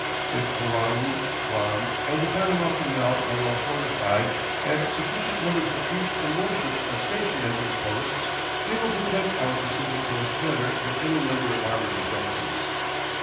If Oahu, Guam and the Panama Canal are well fortified and sufficient numbers of troops and warships are stationed at these posts they will protect our Pacific coast better than any number of harbour defenses.